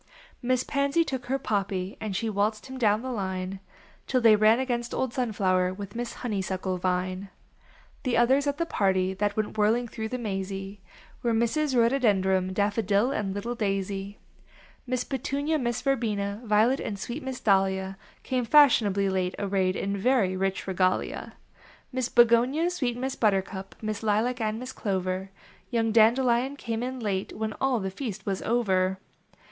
Miss Pansy took her Poppy And she waltx.ed him down the line Till they ran against old Sunflower With Miss Honeysuckle Vine. The others at the party that Went whirling through the ma/.y Were the Misses Rhodo Dendron. Daffodil and little Daisy. Miss Petunia, Miss Verbena, Violet, And sweet Miss Dahlia Came fashionably late, arrayed In very rich regalia. Miss Begonia, sweet Miss Buttercup, Miss Lilac and Miss Clover; Young Dandelion came in late When all the feast was over.